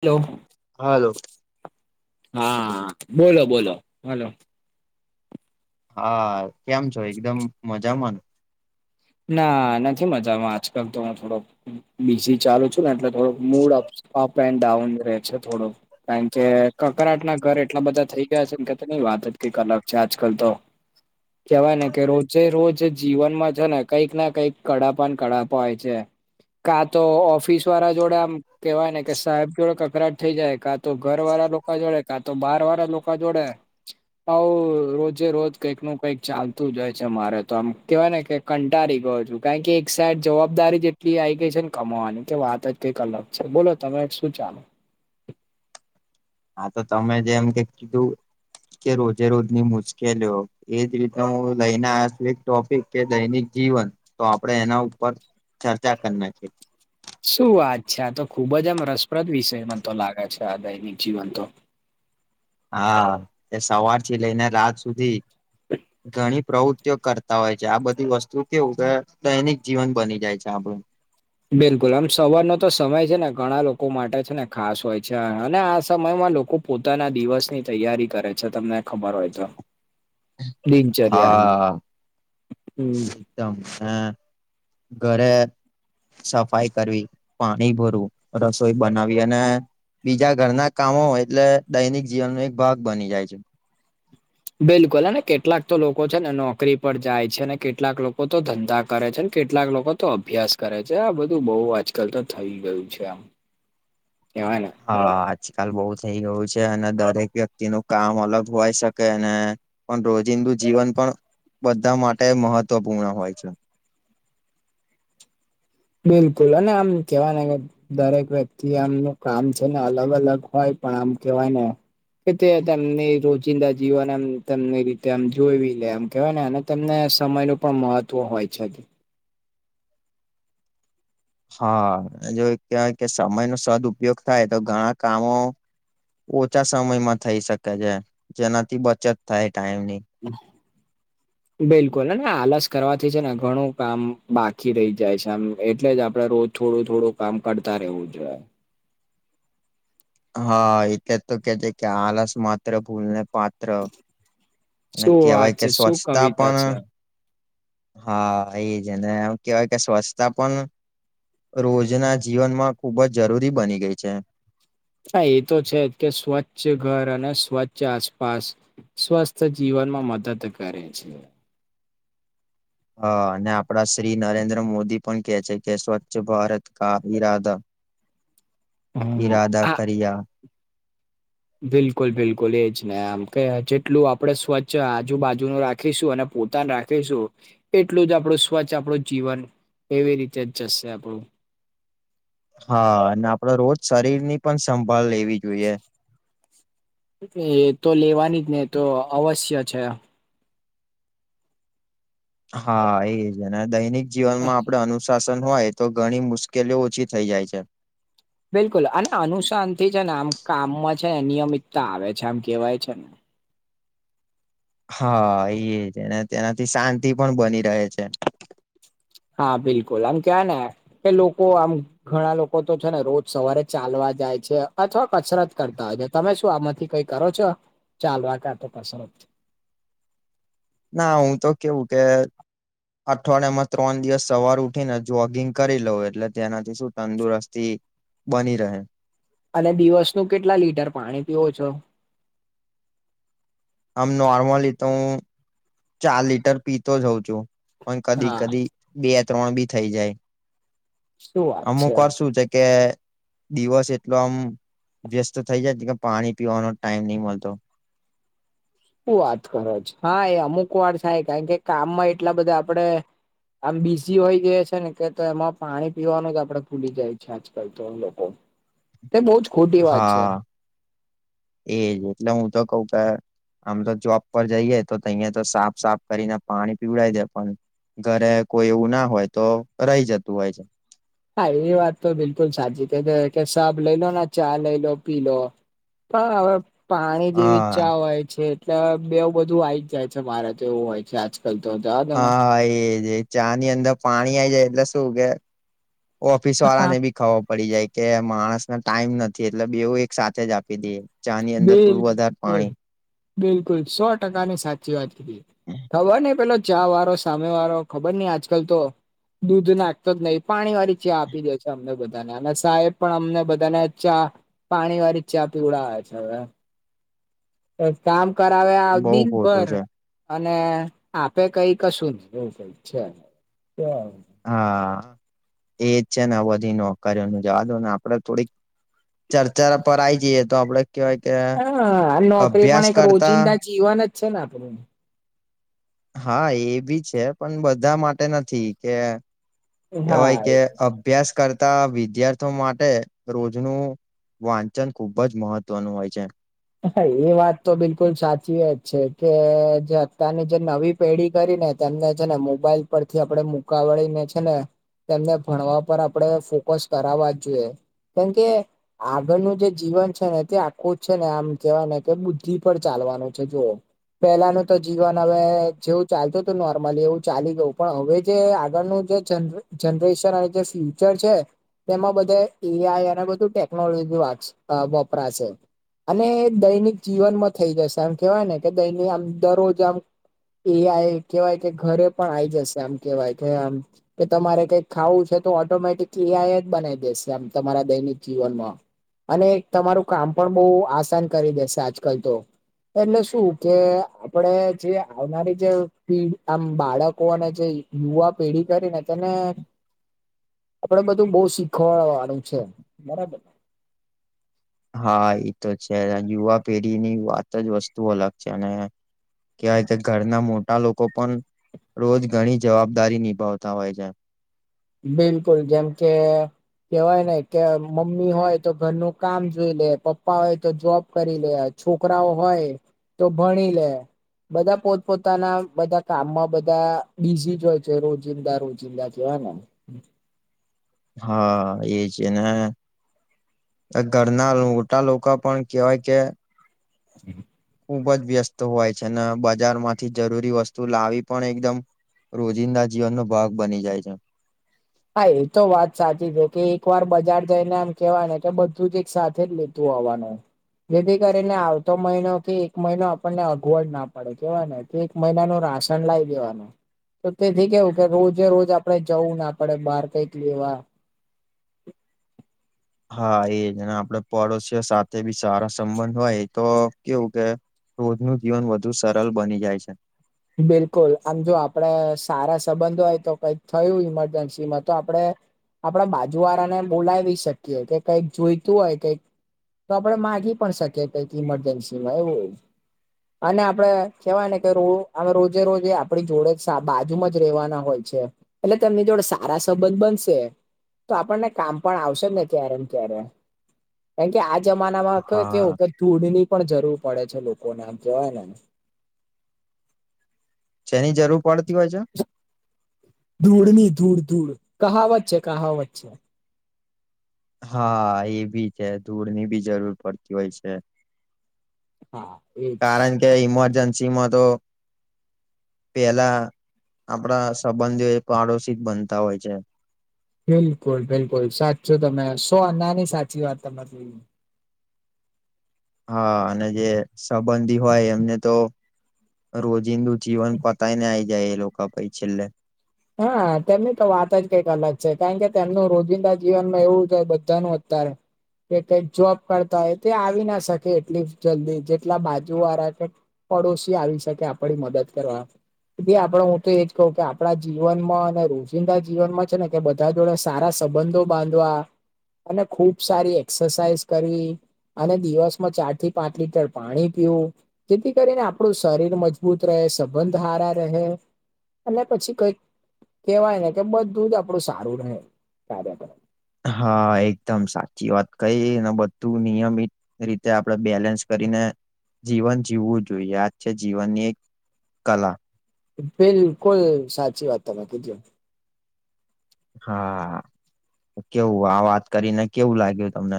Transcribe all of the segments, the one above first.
Hello hello હા બોલો બોલો હલો હા કેમ છો એકદમ મજામાંન? ના નથી મજામાં આજકાલ તો હું થોડો બીજી ચાલુ છું ને એટલે થોડો mood up up and down રહે છે થોડોક કારણ કે કકરાટના ના ઘર એટલા બધા થઈ ગયા છે કે વાત જ કંઈક અલગ છે આજકાલ તો. કેવાય ને કે રોજે રોજ જીવનમાં છે ને કંઈક ના કંઈક કડાપા પણ કડાપા હોય છે કા તો ઓફિસ વાળા જોડે આમ કેવાય ને કે સાહેબ જોડે કકરાટ થઈ જાય કાં તો ઘર વાળા લોકો જોડે કાં તો બહાર વાળા લોકો જોડે. આવું રોજે રોજ કઈક નું કંઈક ચાલતું જાય છે મારે તો આમ કેવાય ને કે કંટાળી ગયો છું કારણ કે એક સાઈડ જવાબદારી એટલી આવી ગઈ છે ન કમાવાની કે વાત જ કંઈક અલગ છે બોલો તમે શું ચાલે? હા તો તમે જેમ કે કીધું કે રોજે રોજની મુશ્કેલીઓ એજ રીતે હું લઈને આયો છું એક ટોપિક કે દૈનિક જીવન તો આપણે એના ઉપર ચર્ચા કર નાખીએ. શું વાત છે આતો ખુબ જ આમ રસપ્રદ વિષય મનતો લાગે છે આ દૈનિક જીવન તો. હા એ સવાર થી લઈને રાત સુધી ગણી પ્રવૃત્તિઓ કરતા હોય છે આ બધી વસ્તુ કેવું કે દૈનિક જીવન બની જાય છે આપણું. બિલકુલ આમ સવારનો તો સમય છે ને ઘણા લોકો માટે છે ને ખાસ હોય છે અને આ સમયમાં લોકો પોતાના દિવસ ની તૈયારી કરે છે તમને ખબર હોય તો દિનચર્યા હા હમ્મ. એકદમ હ ઘરે સફાઈ કરવી પાણી ભરવું રસોઈ બનાવી અને બીજા ઘરના કામો હોય એટલે દૈનિક જીવનનો એક ભાગ બની જાય છે. બિલકુલ અને કેટલાક તો લોકો છે ને નોકરી પર જાય છે અને કેટલાક લોકો તો ધંધા કરે છે કેટલાક લોકો તો અભ્યાસ કરે છે આ બધું બહુ આજકાલ તો થઈ ગયું છે આમ [inaudible] એવાય ને હા આજકાલ બહુ થઈ ગયું છે અને દરેક વ્યક્તિ નું કામ અલગ હોય શકે ને પણ રોજિંદુ જીવન પણ બધા માટે મહત્વપૂર્ણ હોય છે. બિલકુલ અને આમ કેવાય ને કે દરેક વ્યક્તિ આમનું કામ છે ને અલગ અલગ હોય પણ આમ કેવાય ને કે તે તેમની રોજિંદા જીવન એમ તેમની રીતે આમ જોઈવી લે આમ કેહેવાય ને તેમને સમય નુ પણ મહત્વ હોય છે. હા જો કેવાય કે સમય નો સદુપયોગ થાય તો ઘણા કામો ઓછા સમયમાં થઈ શકે છે જેનાથી બચત થાય ટાઈમ ની [inaudible] બિલકુલ અને આલસ કરવાથી છે ને ઘણું કામ બાકી રહી જાય છે આમ એટલે જ આપડે રોજ થોડું થોડું કામ કરતા રહેવું જોઈએ. હા એટલે તો કે છે કે આળસ માત્ર ભૂલને પા ત્ર અને શું વાત કેવાય કે છે શું સ્વચ્છતા કવિતા છે પણ હા હા એજ ને એમ કેવાય કે સ્વચ્છતા પણ રોજના જીવનમાં ખુબ જ જરૂરી બની ગઈ છે. હા એ તો છે જ કે સ્વચ્છ ઘર અને સ્વચ્છ આસપાસ સ્વસ્થ જીવનમાં મદદ કરે છે. હ અને આપડા શ્રી નરેન્દ્ર મોદી પણ કે છે કે સ્વચ્છ ભારત કા ઈરાદા હમ ઈરાદા હા કરિયા. બિલકુલ બિલકુલ એજ ને આમ કે જેટલું આપડે સ્વચ્છ આજુબાજુ નું રાખીશું અને પોતાન રાખે છે એટલું જ આપણું સ્વચ્છ આપણું જીવન એવી રીતે જ જશે આપણું. હા અને આપડે રોજ શરીરની પણ સંભાળ લેવી જોઈએ. એ તો લેવાની જની જ ને તો અવશ્ય છે. હા એ જ અને દૈનિક જીવનમાં આપણે અનુસ શાસન હોય તો ઘણી મુશ્કેલીઓ ઓછી થઈ જાય છે. બિલકુલ અને અનુસાનથી છે ને આમ કામમાં છે ને આમ નિયમિતતા આવે છે આમ કેવાય છે. હા એ જને તેનાથી શાંતિ પણ બની રહે છે. હા બિલકુલ આમ કેવાય ને કે લોકો આમ ઘણા લોકો તો છે ને રોજ સવારે ચાલવા જાય છે. અથવા કસરત કરતા હોય છે. તમે શું આમાંથી કઈ કરો છો? ચાલવા કા તો કસરત? ના હું તો કેવું કે અઠવાડિયામાં ત્રણ દિવસ સવાર ઉઠીને જોગિંગ કરી લઉં એટલે તેનાથી શું તંદુરસ્તી બની રહે. અને દિવસનું કેટલા લીટર પાણી પીવો છો? આમ નોર્મલી તો હું ચાર લીટર પીતો હોઉં છું. પણ કદી હા કદી બે ત્રણ બી થઈ જાય. શું વાત અમુક વાર શું છે કે દિવસ એટલો આમ વ્યસ્ત થઈ જાય કે પાણી પીવાનો ટાઈમ ની મળતો. હું વાત કરો છો. હા એ અમુક વાર થાય કારણ કે કામમાં એટલા બધા આપડે આમ બીઝ હોય જઈએ છે ને કે તો એમાં પાણી પીવાનું જ આપડે ફૂલી જાય છે. આજકાલ તો લોકો. [inaudible] તે બહું જ ખુ હા, એજ એટલે હું તો કઉ કે આમ તો જોબ પર જઈએે તો તહીંયા તો સાબ સાબ કરીને પાણી પીવડાવી દેય પણ ઘરે કોઈ એવું ના હોય તો રહી જતું હોય છે. હા એ વાત તો બિલકુલ સાચી છે કે સાબ લઈ લો ને ચા લઈ લો પી લો. હા અવે પાણી જેવી હા ચા હોય છે. એટલે બેવ બધું આવી જ જાય છે મારે તો‌ એવું હોય છે આજ કરતો હતો. હા એજ એ ચા ની અંદર પાણી આઈ જાય એટલે શું કે ઓફિસ વાળાને ભી ખાબર પડી જાય. કે માણસને ટાઈમ નથી એટલે બેવું એક સાથે જ આપી દઈએ ચાની અંદર થોડું વધારે બિલકુલ પાણી. બિલકુલ સો ટકા ની સાચી વાત કીધી, ખબર ને પેલો ચા વાળો સામે વાળો ખબર ની આજકાલ તો દૂધ નાખતો જ નહીં પાણી વાળી ચા આપી દે છે અમને બધાને. અને સાહેબ પણ અમને બધાને ચા પાણી વાળી ચા પીવડાવ છે અવે. કામ કરાવે અ બઉ દિન ખોટું ભર. છે અને આપે કઈ કશું નહી એવું કઈ છે. હા, એજ છે ને બધી નોકરીઓનું જવા દો ને આપડે થોડીક ચર્ચા પર આવી જઈએ તો આપડે કેવાય કે હા નોકરી અભ્યાસ પણ એક કરતા રોજિંદા જીવન જ છે ને આપડું હા એ બી છે પણ બધા માટે નથી, કે હા કેવાય એ કે અ ભ્યાસ કરતા વિદ્યાર્થીઓ માટે રોજનું વાંચન ખુબ જ મહત્વનું હોય છે. હા એ વાત તો બિલકુલ સાચી જ છે કે જે અત્યારની જે નવી પેઢી કરીને તેમને છેને મોબાઈલ પરથી આપડે મુકા વળીને છે ને. તેમને ભણવા પર આપડે ફોકસ કરાવા જ જોઈએ. કેમ કે આગળનું જે જીવન છે ને તે આખું જ છે ને આમ કેવાય ને કે બુદ્ધિ પર ચાલવાનું છે જુઓ. પેલાનું તો જીવન અવે જેવું ચાલતું તું નોર્મલી એવું ચાલી ગયું પણ અવે જે આગળનું જે જન જનરેશન અવે જે ફ્યુચર છે. તેમાં બધે એ આઈ અને અને બધું ટેકનોલોજી વાચ વપરા સે. અને એ દૈનિક જીવન માં થઈ જશે આમ કેવાય ને કે દૈનિ આમ દરરોજ આમ એ આઈ કેવાય કે ઘરે પણ આઈ જશે આમ કેવાય કે આમ. કે તમારે કઈક ખાવું છે તો ઓટોમેટિક એ આઇ જ બનાવી દેશે આમ તમારા દૈનિક જીવનમાં. અને તમારું કામ પણ બોવ આસાન કરી દેશે આજકલ તો. એટલે શું કે આપડે જે આવનારી જે પીડ આમ બાળકોને જે યુવા પેઢી કરીને તેને [inaudible] આપડે બધું બોઉ શીખવાડવાળું છે બરાબર. હા એ તો છે યુવા પેઢીની વાત જ વસ્તુ અલગ છે અને. કેવાય તે ઘરના મોટા લોકો પણ રોજ ઘણી જવાબદારી નિભાવતા હોય છે. બિલકુલ જેમ કે કેવાય ને કે મમ્મી હોય તો ઘરનું કામ જોઈ લે પપ્પા હોય તો જોબ કરી લે. છોકરાઓ હોય તો ભણી લે. બધા પોતપોતાના બધા કામમાં બધા બિઝી જ હોય છે રોજિંદા રોજિંદા કેવાય ને. [inaudible] હા એ છે ને. ત ઘરના લોટા લોકો પણ કેહેવાય કે. હમ્મ. ખુબ જ વ્યસ્ત હોય છે ને બજાર માંથી જરૂરી વસ્તુ લાવી પણ એકદમ રોજિંદા જીવનનો ભાગ બની જાય છે. હા એ તો વાત સાચી છે કે એક વાર બજાર જઈને એમ કેવાય ને કે બધું જ એક સાથે જ લઇ તું આવાનો. જેથી કરીને આવતો મહિનો થી એક મહિનો આપણને અગવડ ના પડે કેવાય ને. એક મહિનાનું રાશન લાઇ દેવાનું તો તેથી કેવું કે રોજે રોજ આપણેે જવું ના પડે બાર કઈક લેવા. હા એજ ને આપડે પડોશીઓ સાથે બી સારા સંબંધ હોય તો કેવું કે રોજનું જીવન વધુ સરળ બની જાય છે. બિલકુલ આમ જો આપડે સારા સંબંધો હોય તો કઈક થયું ઈમરજન્સી માં તો આપડે આપડા બાજુ વાળાને બોલાવી શકીએ કે કઈક જોઈતું હોય કઈક તો આપડે માંગી પણ શકીએ કક ઇમરજન્સી માં એવું હો. અને આપડે કેવાય ને કે રો હવે રોજે રોજે આપડી જોડે જ સા બાજુમાં જ રેવાના હોય છે. એટલે તેમની જોડે સારા સંબંધ બનશે. તો આપણને કામ પણ આવશે ને ક્યારે ને ક્યારે. કેન કે આ જમાનામાં ક હા કેવું કે ધૂળની પણ જરૂર પડે છે લોકોને કેવાય ને. છેની જરૂર પડતી હોય છે? ધૂળની ધૂળ ધૂળ કહાવત છે કહાવત છે. હા એ ભી છે ધૂળની બી જરૂર પડતી હોય છે. હા એજ. કારણ કે ઇમરજન્સી માં તો પેલા આપણા સંબંધીઓ એ પાડોશિત બનતા હોય છે. બિલકુલ-બિલકુલ સાચું તમે સો અનાની સાચી વાત તમારે જોઈ. હા અને જે સંબંધી હોય એમને તો રોજિંદું જીવન પતાય ને આ આવી જાય એ લોકો ભાઈ છેલ્લે. હા તેમની તો વાત જ કંઈક અલગ છે કારણ કે તેમનું રોજિંદા જીવનમાં એવું છે બધાનું અત્યારે કે કઈક જોબ કરતા હોય તે આવી ના શકે એટલી જલ્દી જેટલા બાજુ વાળા કે પડોશીઓ આવી શકે આપણી મદદ કરવા આપડ હું તો એજ કહ કે આપડા જીવનમાં અને રોજિંદા જીવનમાં છે ને કે બધા જોડે સારા સંબંધો બાંધવા અને ખુબ સારી એક્સરસાાઈઝ કરવી. અને દિવસમાં ચાર થી પાંચ લીટર પાણી પીવું. જેથી કરીને આપણું શરીર મજબૂત રહે સંબંધ હારા રહે અને પછી કઈક કેવાય ને કે બધું જ આપણું સારું રહે. હા એકદમ સાચી વાત કહી ને બધું નિયમિત રીતે આપણે બેલેન્સ કરીને જીવન જીવવું જોઈએ આજ છે જીવનની એક કલા. બિલકુલ સાચી વાત તમે કીધી. હા કેવું આ વાત કરીને કેવું લાગ્યું તમને.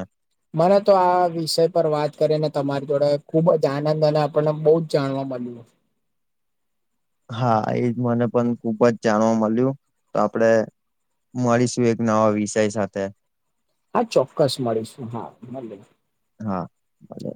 મને તો આ વિષય પર વાત કરીને તમારી જોડે ખુબ જ આનંદ અને આપણને બહુ જ જાણવા મળ્યું. હા એજ મને પણ ખુબ જ જાણવા મળ્યું તો આપડે મડી શું એક નવા વિષય સાથે હા ચોક્કસ મળીશું હા મળીયે હા ભલે